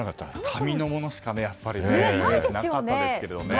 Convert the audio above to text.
紙のものしかイメージがなかったですけどね。